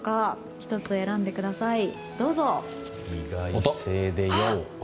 １つを選んでください、どうぞ。